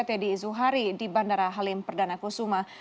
teddy zuhari di bandara halim perdana kusuma